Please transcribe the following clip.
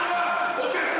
お客様！